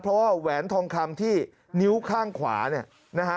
เพราะว่าแหวนทองคำที่นิ้วข้างขวาเนี่ยนะฮะ